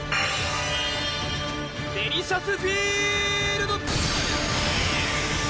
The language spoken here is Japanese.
デリシャスフィールド！